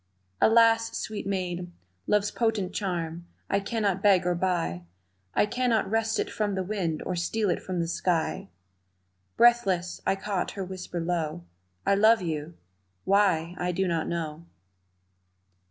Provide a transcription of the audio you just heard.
"Alas, sweet maid, love's potent charm I cannot beg or buy, I cannot wrest it from the wind Or steal it from the sky " Breathless, I caught her whisper low, "I love you why, I do not know!"